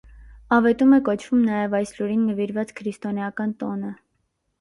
Ավետում է կոչվում նաև այս լուրին նվիրված քրիստոնեական տոնը։